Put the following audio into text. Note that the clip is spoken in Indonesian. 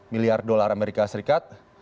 miliar dolar amerika serikat